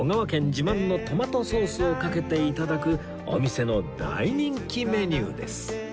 自慢のトマトソースをかけて頂くお店の大人気メニューです